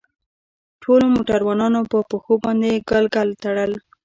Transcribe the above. ټولو موټروانانو په پښو باندې ګلګل تړل.